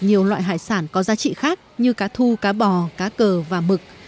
nhiều loại hải sản có giá trị khác như cá thu cá bò cá cờ và mực